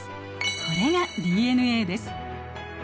これがＤＮＡです。